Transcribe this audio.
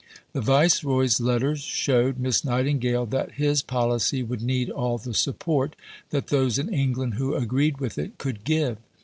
The Viceroy's letters showed Miss Nightingale that his policy would need all the support that those in England who agreed with it could give.